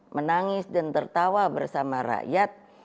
menangis dan tertawa bersama rakyat